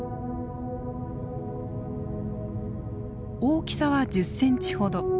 大きさは１０センチほど。